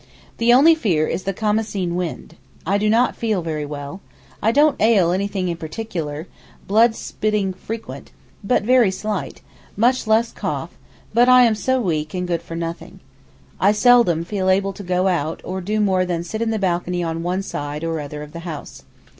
The only fear is the Khamaseen wind. I do not feel very well. I don't ail anything in particular; blood spitting frequent, but very slight; much less cough; but I am so weak and good for nothing. I seldom feel able to go out or do more than sit in the balcony on one side or other of the house.